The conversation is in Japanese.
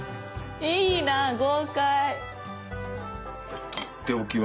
いいな豪快！